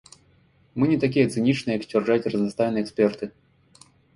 Мы не такія цынічныя, як сцвярджаюць разнастайныя эксперты.